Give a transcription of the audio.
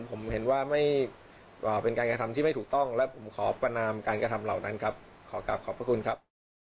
ผมเห็นว่าไม่เป็นการกระทำที่ไม่ถูกต้องและผมขอประนามการกระทำเหล่านั้นครับขอกลับขอบพระคุณครับ